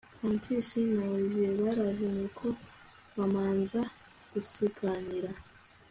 Francis na Olivier baraje nuko bamanza gusiganira